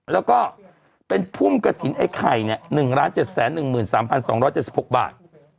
แล้วก็เป็นพุ่มกระถิ่นไอ้ไข่๑๗๑๓๒๗๖บาท